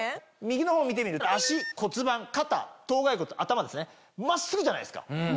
右のほうを見てみると足骨盤肩頭蓋骨頭ですね真っすぐじゃないですか。